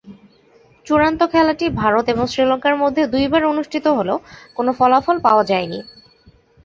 চূড়ান্ত খেলাটি ভারত এবং শ্রীলঙ্কার মধ্যে দুইবার অনুষ্ঠিত হলেও কোন ফলাফল পাওয়া যায়নি।